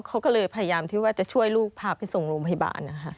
เขาก็เลยพยายามที่ว่าจะช่วยลูกพาไปส่งโรงพยาบาลนะคะ